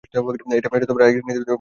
এটি টাইগ্রিস নদীর বাম তীরে অবস্থিত।